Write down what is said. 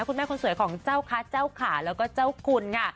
คุณแม่คนสวยของเจ้าคะเจ้าขาแล้วก็เจ้าคุณค่ะ